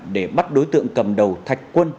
để bắt đối tượng cầm đầu thạch quân